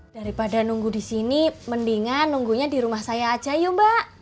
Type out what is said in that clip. daripada nunggu disini mendingan nunggunya dirumah saya aja yuk mbak